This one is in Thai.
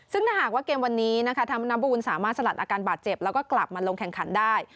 ซึ่งถ้าหากว่าเกมวันนี้นะคะธรรมนบูลสามารถสลัดอาการบาดเจ็บแล้วก็กลับมาลงแข่งขันได้